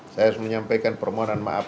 saya menyampaikan permohonan maaf